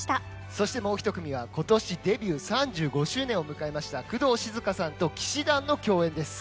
そしてもう１組は今年デビュー３５周年を迎えました工藤静香さんと氣志團の共演です。